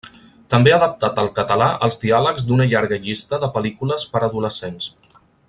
També ha adaptat al català els diàlegs d'una llarga llista de pel·lícules per a adolescents.